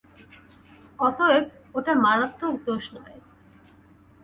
অতএব ওটা মারাত্মক দোষ নয়।